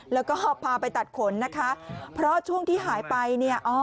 แล้วก็พาไปตัดขนนะคะเพราะช่วงที่หายไปเนี่ย